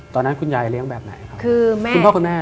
ตอนนั้นคุณย้ายเลี้ยงแบบไหนครับ